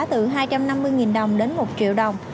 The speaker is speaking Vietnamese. từ hai trăm năm mươi đồng đến một triệu đồng